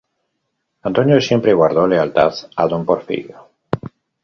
Antonio siempre guardó lealtad a don Porfirio.